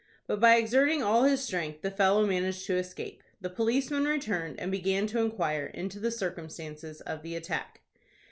But by exerting all his strength the fellow managed to escape. The policeman returned, and began to inquire into the circumstances of the attack.